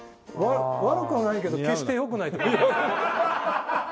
悪くはないけど決して良くないって感じですか？